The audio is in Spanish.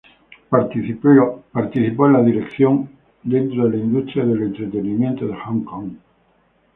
Participó en la dirección, dentro de la industria del entretenimiento de Hong Kong.